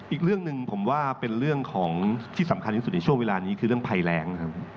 อีกเรื่องหนึ่งผมว่าเป็นเรื่องของที่สำคัญที่สุดในช่วงเวลานี้คือเรื่องภัยแรงนะครับ